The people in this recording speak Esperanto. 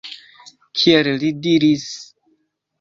Kiel li diris